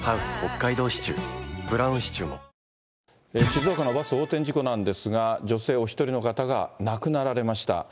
静岡のバス横転事故なんですが、女性お１人の方が亡くなられました。